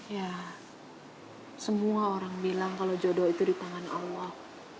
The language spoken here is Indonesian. ya semua orang bilang kalau jodoh itu di tangan allah